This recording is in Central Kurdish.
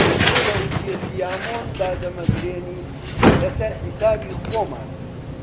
تۆ لە ئوتێل دیامۆند دادەمەزرێنین لەسەر حیسابی خۆمان